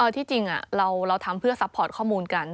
ที่จริงเราทำเพื่อซัพพอร์ตข้อมูลกัน